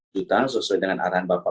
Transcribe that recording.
empat juta sesuai dengan arahan bapak